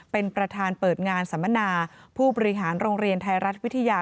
เป็นประธานเปิดงานสัมมนาผู้บริหารโรงเรียนไทยรัฐวิทยา